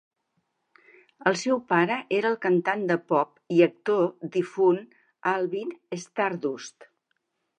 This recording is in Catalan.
El seu pare era el cantant de pop i actor difunt Alvin Stardust.